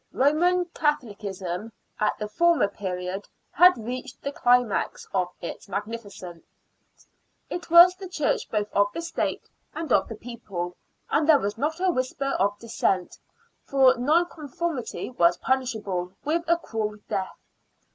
Roman Catholicism, at the former period, had reached the climax of its magnificence. It was the Church both of 2 2 SIXTEENTH CENTURY BRISTOL. the State and of the people, and there was not a whisper of dissent, for nonconformity was punishable with a cruel death.